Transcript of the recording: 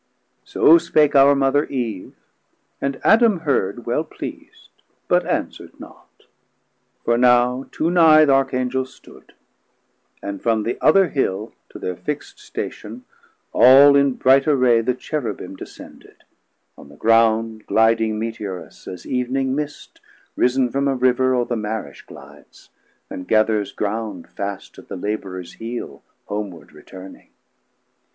So spake our Mother Eve, and Adam heard Well pleas'd, but answer'd not; for now too nigh Th' Archangel stood, and from the other Hill To thir fixt Station, all in bright array The Cherubim descended; on the ground Gliding meteorous, as Ev'ning Mist Ris'n from a River o're the marish glides, And gathers ground fast at the Labourers heel 630 Homeward returning.